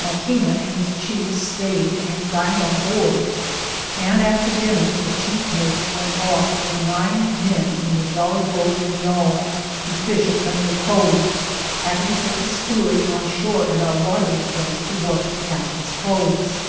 Macquina and his chiefs staid and dined on board, and after dinner the chief mate went oflf with nine" men in the jolly boat and yawl, to fish at Friendly Cove, having set the steward on shore at our watering place, to wash the Cap tain's clothes.